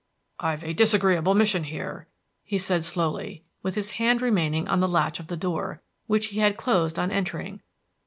"I've a disagreeable mission here," he said slowly, with his hand remaining on the latch of the door, which he had closed on entering.